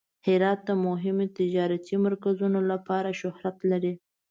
هرات د مهمو تجارتي مرکزونو لپاره شهرت لري.